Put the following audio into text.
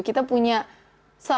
kita punya sektor pendidikan